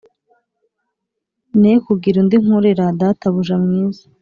Ne kugira undi nkorera databuja mwiza